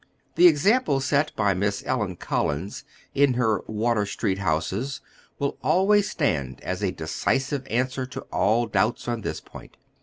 The example set by Miss Ellen Collins in her Water Street houses will always stand as a decisive answer to all doubts on this point.